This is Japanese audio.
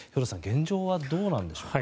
現状はどうなんでしょうか。